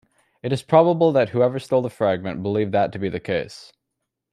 It is probable that whoever stole the fragment believed that to be the case.